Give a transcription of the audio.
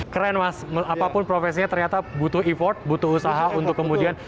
keren mas apapun profesinya ternyata butuh effort butuh usaha untuk kemudian